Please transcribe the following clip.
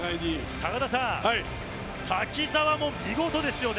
高田さん、瀧澤も見事ですよね。